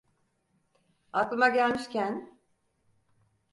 Aklıma gelmişken…